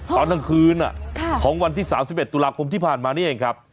ตอนกลางคืนของวันที่๓๑ตุลาคมที่ผ่านมานี่เองครับ